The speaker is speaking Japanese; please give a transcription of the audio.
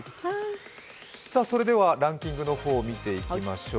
それではランキングを見ていきましょう。